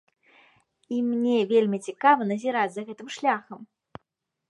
І мне вельмі цікава назіраць за гэтым шляхам!